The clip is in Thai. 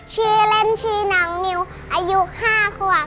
ชื่อเล่นชื่อนางนิ้วอายุ๕กว่า